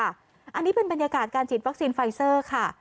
อันนี้เป็นบรรยากาศการฉีดวัคซีนไฟเซอร์ค่ะ